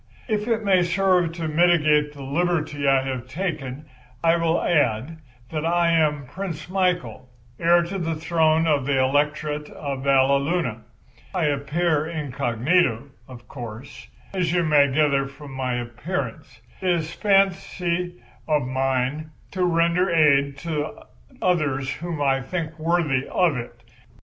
If it may serve to mitigate the liberty I have taken I will add that I am Prince Michael, heir to the throne of the Electorate of Valleluna. I appear incognito, of course, as you may gather from my appearance. It is a fancy of mine to render aid to others whom I think worthy of it.